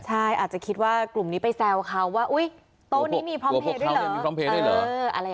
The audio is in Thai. ใช่อาจจะคิดว่ากลุ่มนี้ไปแซวเขาว่าอุ๊ยโต๊ะนี้มีพร้อมเพจด้วยเหรอ